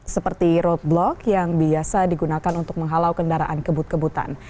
seperti road block yang biasa digunakan untuk menghalau kendaraan kebut kebutan